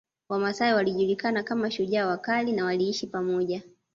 Wamasai walijulikana kama shujaa wakali na waliishi pamoja